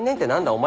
お前